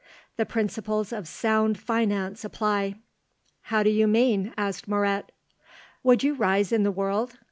The principles of sound finance apply." "How do you mean?" asked Moret. "Would you rise in the world?